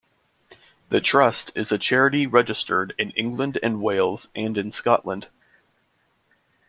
The Trust is a charity registered in England and Wales and in Scotland.